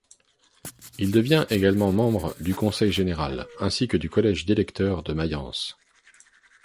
Il devient également membre du Conseil général, ainsi que du collège d’électeurs de Mayence.